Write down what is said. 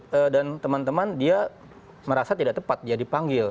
ya menurut alkif dan teman teman dia merasa tidak tepat dia dipanggil